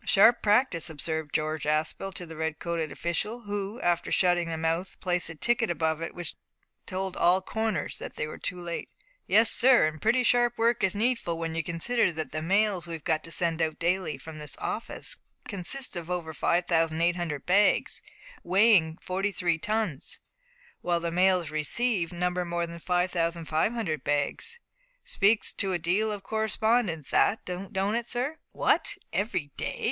"Sharp practice!" observed George Aspel to the red coated official, who, after shutting the mouth, placed a ticket above it which told all corners that they were too late. "Yes, sir, and pretty sharp work is needful when you consider that the mails we've got to send out daily from this office consist of over 5800 bags, weighing forty three tons, while the mails received number more than 5500 bags. Speaks to a deal of correspondence that, don't it, sir?" "What! every day?"